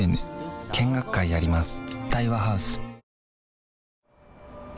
見学会やります